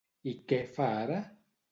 I què fa ara?